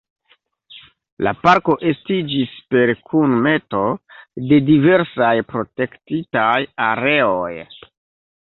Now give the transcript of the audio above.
La parko estiĝis per kunmeto de diversaj protektitaj areoj.